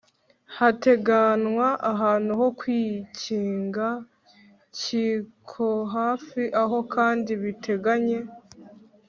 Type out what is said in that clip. hateganywa ahantu ho kwikinga cy’ikohafi aho kandi biteganye